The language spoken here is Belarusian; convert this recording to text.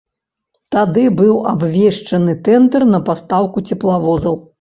Тады быў абвешчаны тэндэр на пастаўку цеплавозаў.